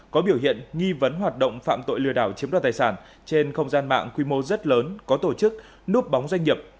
có biểu hiện nghi vấn hoạt động phạm tội lừa đảo chiếm đoạt tài sản trên không gian mạng quy mô rất lớn có tổ chức núp bóng doanh nghiệp